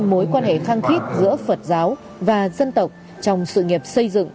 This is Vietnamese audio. mối quan hệ khăng khít giữa phật giáo và dân tộc trong sự nghiệp xây dựng